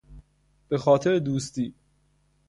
به خاطر دوستی